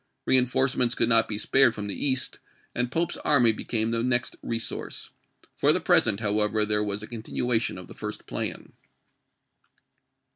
Reenforcements could not be spared from the East, and Pope's army became the next resource. For the present, however, there was a continuation of the first plan.